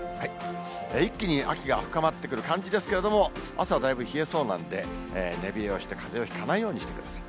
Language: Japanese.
一気に秋が深まってくる感じですけれども、朝はだいぶ冷えそうなんで、寝冷えをしてかぜをひかないようにしてください。